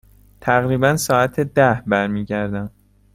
تقریبا ساعت ده برمی گردم.